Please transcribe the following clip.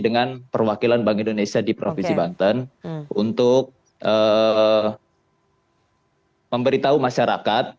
dengan perwakilan bank indonesia di provinsi banten untuk memberitahu masyarakat